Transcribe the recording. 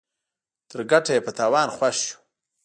تر ګټه ئې په تاوان خوښ يو.